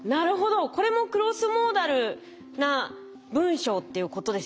これもクロスモーダルな文章っていうことですよね。